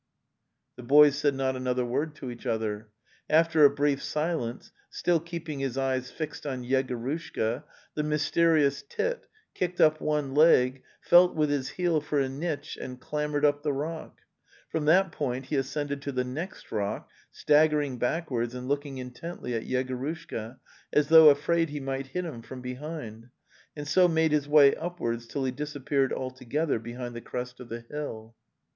" The boys said not another word to each other; after a brief silence, still keeping his eyes fixed on Yegorushka, the mysterious Tit kicked up one leg, felt with his heel for a niche and clambered up the rock; from that point he ascended to the next rock, staggering backwards and looking intently at Yego rushka, as though afraid he might hit him from be hind, and so made his way upwards till he disap peared altogether behind the crest of the hill.